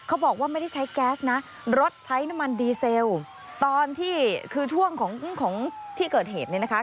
บอกว่าไม่ได้ใช้แก๊สนะรถใช้น้ำมันดีเซลตอนที่คือช่วงของของที่เกิดเหตุเนี่ยนะคะ